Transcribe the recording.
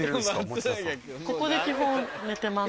ここで基本寝てます